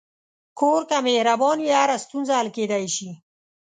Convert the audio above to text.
کور که مهربان وي، هره ستونزه حل کېدلی شي.